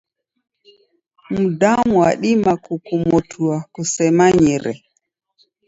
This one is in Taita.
Mdamu wadima kukumotua kusemanyire.